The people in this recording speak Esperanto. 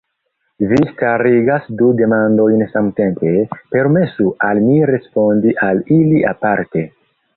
Vi starigas du demandojn samtempe, permesu al mi respondi al ili aparte.